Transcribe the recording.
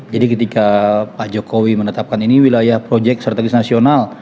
jadi ketika pak jokowi menetapkan ini wilayah proyek strategis nasional